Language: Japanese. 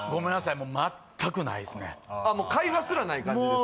もう会話すらない感じですか？